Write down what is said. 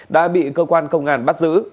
đã bị cơ quan công an bắt giữ